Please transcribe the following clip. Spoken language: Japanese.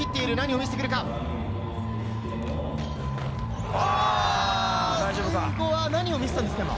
お、最後は何を見せたんですか？